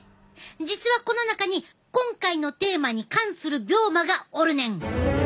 実はこの中に今回のテーマに関する病魔がおるねん！